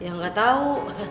eh ya nggak tahu